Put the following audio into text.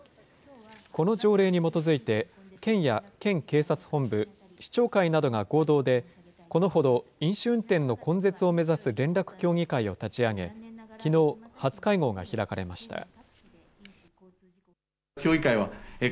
この条例に基づいて、県や県警察本部、市長会などが合同で、このほど飲酒運転の根絶を目指す連絡協議会を立ち上げ、きのう、初会合が開かれました。